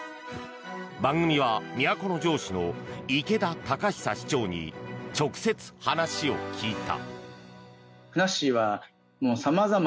番組は都城市の池田宜永市長に直接、話を聞いた。